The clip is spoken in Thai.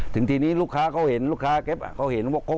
ถึงทีนี้ลูกค้าเขาเห็นลูกค้าแก๊ปเขาเห็นว่า